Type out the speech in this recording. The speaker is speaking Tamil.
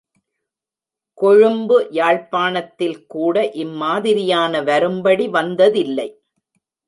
கொழும்பு, யாழ்ப்பாணத்தில் கூட இம்மாதிரியான வரும்படி வந்ததில்லை.